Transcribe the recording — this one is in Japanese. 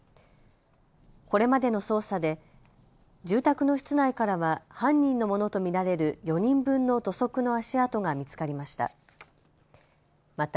これまでの捜査で住宅の室内からは犯人のものと見られる４人分の土足の足跡が見つかりました。